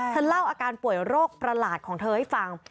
เล่าอาการป่วยโรคประหลาดของเธอให้ฟัง